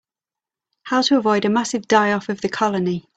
How to avoid a massive die-off of the colony.